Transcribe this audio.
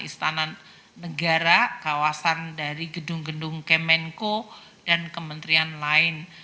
istana negara kawasan dari gedung gedung kemenko dan kementerian lain